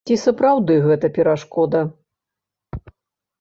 Ці сапраўды гэта перашкода?